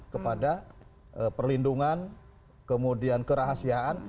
kepada perlindungan kemudian kerahasiaan